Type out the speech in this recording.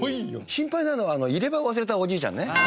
心配なのは入れ歯を忘れたおじいちゃんね。